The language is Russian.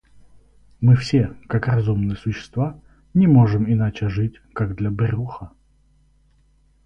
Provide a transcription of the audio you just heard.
Мы все, как разумные существа, не можем иначе жить, как для брюха.